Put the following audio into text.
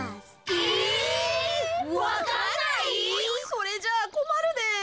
それじゃあこまるで。